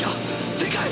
でかい！